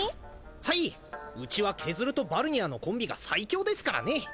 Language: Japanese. はいウチはケズルとバルニャーのコンビが最強ですからね